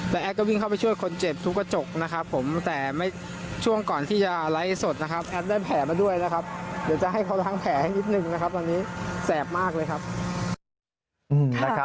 เพราะรถติ๊กแก๊สนะคุณนะ